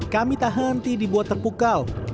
kami tak henti dibuat terpukau